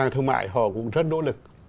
thương mại họ cũng rất nỗ lực